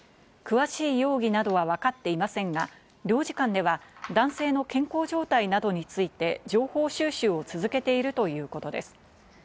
詳しい容疑などは分かっていませんが、領事館では男性の健康状態などについて情報収集を続けているということです。